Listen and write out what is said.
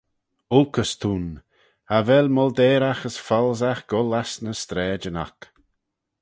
Olkys t'ayn: cha vel molteyraght as foalsaght goll ass ny straidyn oc.